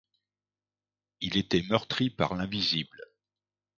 Il était meurtri par l’invisible.